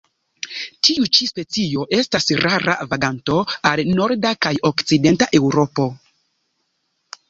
Tiu ĉi specio estas rara vaganto al norda kaj okcidenta Eŭropo.